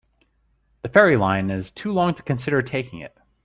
The ferry line is too long to consider taking it.